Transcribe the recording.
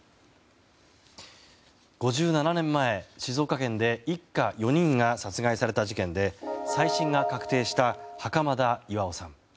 ５７年前、静岡県で一家４人が殺害された事件で再審が確定した袴田巌さん。